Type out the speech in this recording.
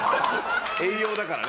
栄養だからね。